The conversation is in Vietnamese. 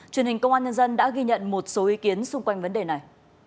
truyền hình công an nhân dân đã ghi nhận một số ý kiến xung quanh vấn đề này